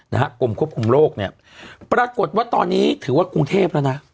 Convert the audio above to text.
กรมควบคุมโรคเนี่ยปรากฏว่าตอนนี้ถือว่ากรุงเทพแล้วนะ